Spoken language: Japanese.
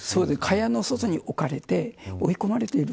蚊帳の外に置かれて追い込まれている